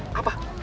ya udah siap